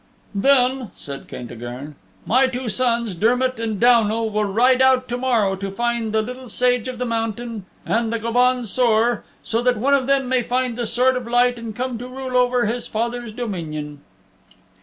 "Then," said Caintigern, "my two sons, Dermott and Downal, will ride out to morrow to find the Little Sage of the Mountain, and the Gobaun Saor, so that one of them may find the Sword of Light and come to rule over his father's dominion."